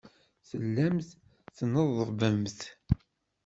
Tellamt tneḍḍbemt.